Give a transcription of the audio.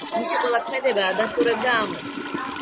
მისი ყველა ქმედება ადასტურებდა ამას.